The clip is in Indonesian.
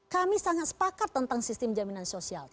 kami sangat sepakat tentang sistem jaminan sosial